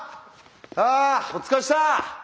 あお疲れっした！